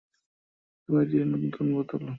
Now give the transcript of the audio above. তুমি একটা নতুন পুতুল।